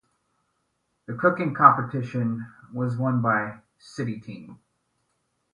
The cooking competition was won by City team.